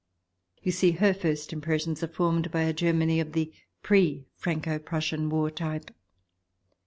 You see, her first impressions are formed by a Germany of the pre Franco Prussian War type.